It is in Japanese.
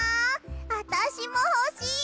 あたしもほしい！